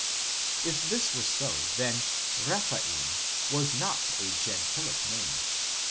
If this was so, then "Rephaim" was not a gentilic name.